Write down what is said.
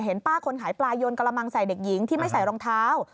ป้าคนขายปลายนกระมังใส่เด็กหญิงที่ไม่ใส่รองเท้า